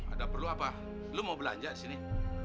ada perlu apa lo mau belanja di sini